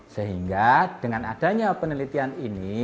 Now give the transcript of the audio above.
sehingga dengan adanya penelitian ini